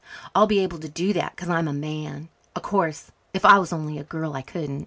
I'll be able to do that 'cause I'm a man. Of course if I was only a girl I couldn't."